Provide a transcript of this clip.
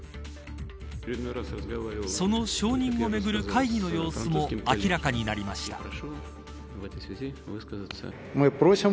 その承認をめぐる会議の様子も明らかになりました。